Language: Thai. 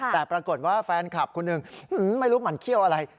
แต่ปรากฏว่าแฟนคลับคนหนึ่งไม่รู้หมั่นเขี้ยวอะไร